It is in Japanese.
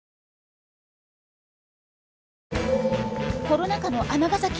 コロナ禍の尼崎。